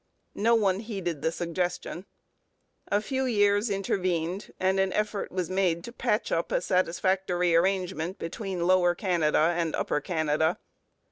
No one heeded the suggestion. A few years intervened, and an effort was made to patch up a satisfactory arrangement between Lower Canada and Upper Canada.